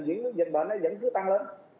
kiểm tra giám sát như thế nào